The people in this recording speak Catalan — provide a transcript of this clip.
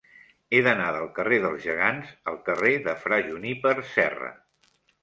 He d'anar del carrer dels Gegants al carrer de Fra Juníper Serra.